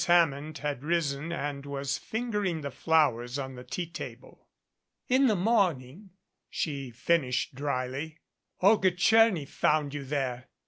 Hammond had risen and was fingering the flow ers on the tea table. "In the morning," she finished dryly, "Olga Tcherny found you there.